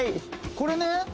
これね